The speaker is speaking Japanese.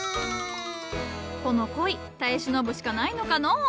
この恋耐え忍ぶしかないのかのう。